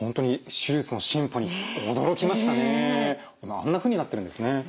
あんなふうになっているんですね。